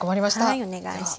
はいお願いします。